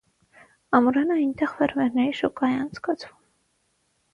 Ամռանը այնտեղ ֆերմերների շուկա է անցկացվում։